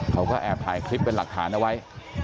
เขาก็แอบถ่ายคลิปเป็นหลักฐานเอาไว้